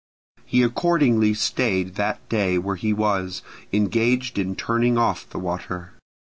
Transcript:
He accordingly stayed that day where he was, engaged in turning off the water.